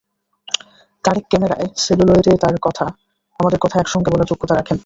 তারেক ক্যামেরায় সেলুলয়েডে তাঁর কথা, আমাদের কথা একসঙ্গে বলার যোগ্যতা রাখেন।